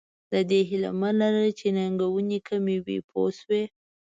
د دې هیله مه لره چې ننګونې کم وي پوه شوې!.